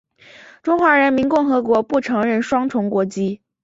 中华人民共和国不承认双重国籍。